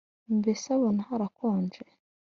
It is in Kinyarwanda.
mbese abona harakonje